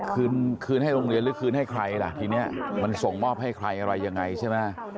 คืนคืนให้โรงเรียนหรือคืนให้ใครล่ะทีนี้มันส่งมอบให้ใครอะไรยังไงใช่ไหม